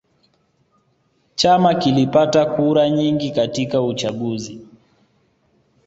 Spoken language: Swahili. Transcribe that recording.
Chama kilipata kura nyingi katika uchaguzi